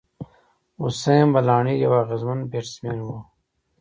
حسېن بلاڼي یو اغېزمن بېټسمېن وو.